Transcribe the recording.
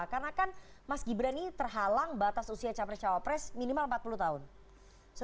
karena kan mas gibran ini terhalang batas usia capres cawapres minimal empat puluh tahun